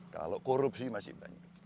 kalau korupsi masih banyak